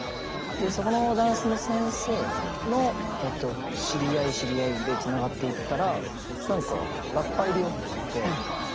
そこのダンスの先生の知り合い知り合いでつながっていったら何か「ラッパーいるよ」って言われて「ラップ！？」と思って。